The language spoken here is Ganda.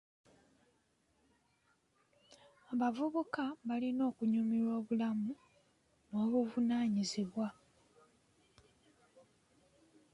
Abavubuka balina okunyumirwa obulamu n'obuvunaanyizibwa.